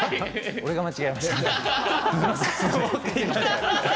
僕が間違えました。